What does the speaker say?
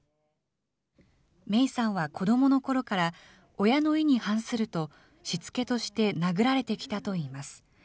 めいさんは子どものころから親の意に反すると、しつけとして殴られてきたといいます。